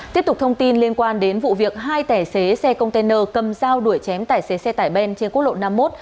tiếp tục thông tin liên quan đến vụ việc hai tài xế xe container cầm dao đuổi chém tài xế xe tải ben trên quốc lộ năm mươi một